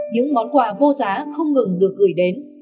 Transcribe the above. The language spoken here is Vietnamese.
những món quà vô giá không ngừng được gửi đến